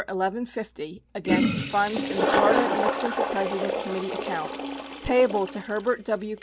1150, against funds in the Florida Nixon for President Committee account, payable to Her bert W.